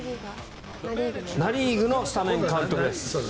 ナ・リーグのスタメン、監督です。